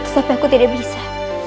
tetapi aku tidak bisa